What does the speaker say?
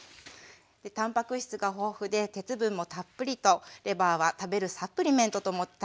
たんぱく質が豊富で鉄分もたっぷりとレバーは食べるサプリメントと思って食べてます。